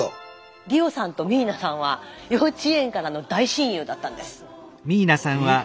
理央さんと未唯奈さんは幼稚園からの大親友だったんです。